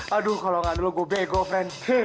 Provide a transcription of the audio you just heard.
aduh kalau enggak dulu gue go friend